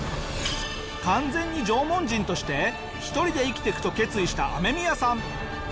完全に縄文人として一人で生きていくと決意したアメミヤさん。